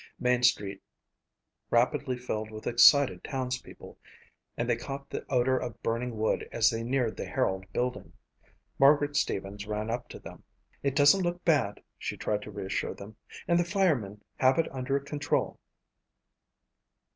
Main street rapidly filled with excited townspeople and they caught the odor of burning wood as they neared the Herald building. Margaret Stevens ran up to them. "It doesn't look bad," she tried to reassure them, "and the firemen have it under control."